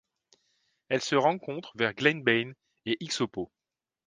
Elle se rencontre vers Glen Bain et Ixopo.